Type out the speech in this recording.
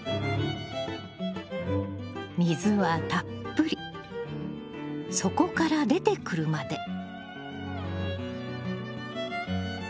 水はたっぷり底から出てくるまで。